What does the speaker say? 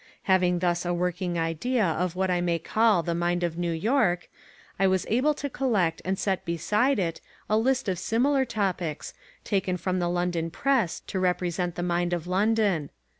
Having thus a working idea of what I may call the mind of New York, I was able to collect and set beside it a list of similar topics, taken from the London Press to represent the mind of London.